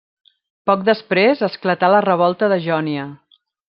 Poc després esclatà la revolta de Jònia.